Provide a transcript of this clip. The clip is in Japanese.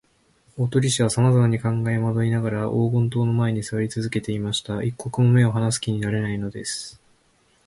大鳥氏はさまざまに考えまどいながら、黄金塔の前にすわりつづけていました。一刻も目をはなす気になれないのです。